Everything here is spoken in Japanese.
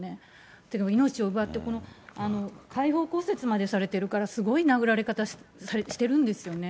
というか、命を奪って、開放骨折までされてるから、すごい殴られ方をしてるんですよね。